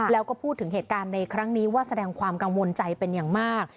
แล้วก็พูดถึงเหตุการณ์ในครั้งนี้ว่าแสดงความกังวลใจเป็นอย่างมาก